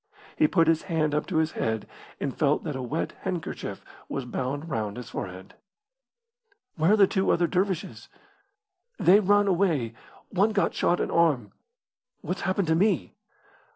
He put his hand up to his head and felt that a wet handkerchief was bound round his forehead. "Where are the two other dervishes?" "They ran away. One got shot in arm." "What's happened to me?"